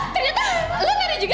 ternyata lo nari juga ya